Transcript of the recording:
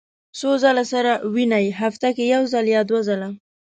څو ځله سره وینئ؟ هفتې یوځل یا دوه ځله